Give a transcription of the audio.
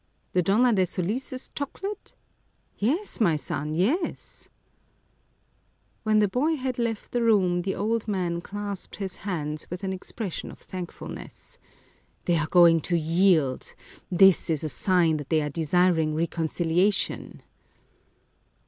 " The Donna de Solis's chocolate ?"" Yes, my son, yes !" When the boy had left the room, the old man clasped his hands with an expression of thankfulness. " They are going to yield ! This is a sign that they are desiring reconciliation."